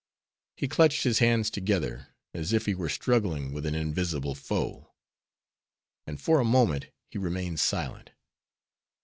He clutched his hands together, as if he were struggling with an invisible foe, and for a moment he remained silent.